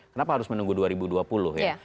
kenapa harus menunggu dua ribu dua puluh ya